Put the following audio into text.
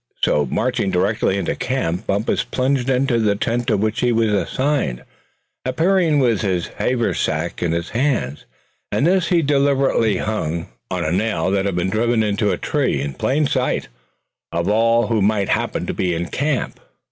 So marching directly into the camp, Bumpus plunged into the tent to which he was assigned, appearing with his haversack in his hands. And this he deliberately hung on a nail that had been driven into a tree, in plain sight of all who might happen to be in camp.